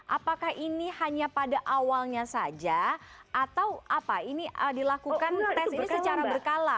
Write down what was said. apakah ini hanya pada awalnya saja atau apa ini dilakukan tes ini secara berkala